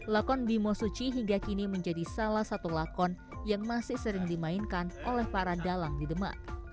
lakon bimo suci hingga kini menjadi salah satu lakon yang masih sering dimainkan oleh para dalang di demak